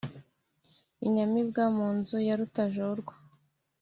inyamibwa mu nzu ya rutajorwa,